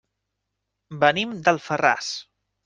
Venim d'Alfarràs.